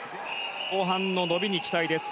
後半の伸びに期待です。